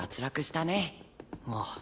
ああ。